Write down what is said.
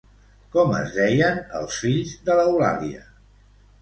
Com es deien els fills de l'Eulàlia?